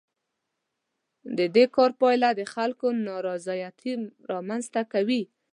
د دې کار پایله د خلکو نارضایتي رامنځ ته کوي.